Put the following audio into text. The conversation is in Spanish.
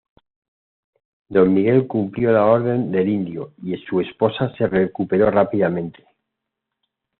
Don Miguel cumplió la orden del indio y su esposa se recuperó rápidamente.